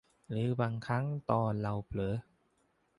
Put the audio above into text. หรือบางครั้งตอนเราเผลอ